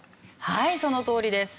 はいそのとおりです。